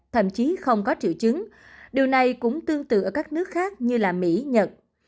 thậm chí không có triệu chứng điều này cũng tương tự ở các nước khác như mỹ nhật